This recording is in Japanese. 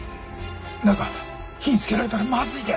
中火ぃつけられたらまずいで！